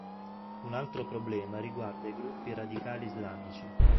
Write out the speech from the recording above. Un altro problema riguarda i gruppi radicali islamici.